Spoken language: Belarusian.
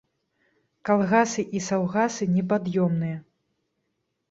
Калгасы і саўгасы непад'ёмныя.